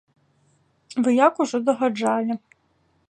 Вы як ужо дагаджалі.